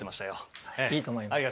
いいと思います。